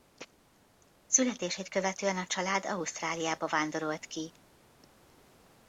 Születését követően a család Ausztráliába vándorolt ki.